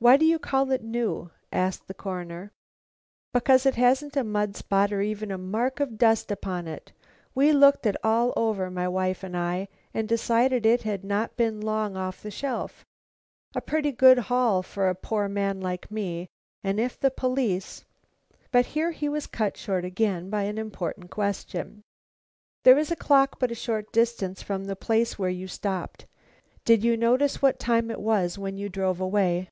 "Why do you call it new?" asked the Coroner. "Because it hasn't a mud spot or even a mark of dust upon it. We looked it all over, my wife and I, and decided it had not been long off the shelf. A pretty good haul for a poor man like me, and if the police " But here he was cut short again by an important question: "There is a clock but a short distance from the place where you stopped. Did you notice what time it was when you drove away?"